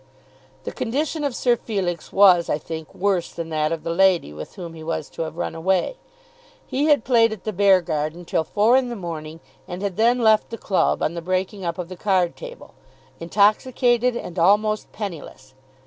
The condition of Sir Felix was I think worse than that of the lady with whom he was to have run away. He had played at the Beargarden till four in the morning and had then left the club, on the breaking up of the card table, intoxicated and almost penniless.